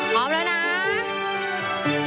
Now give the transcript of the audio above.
พร้อมยัง